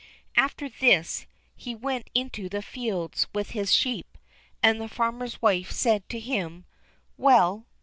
After this, he went into the fields with his sheep, and the farmer's wife said to him, "Well!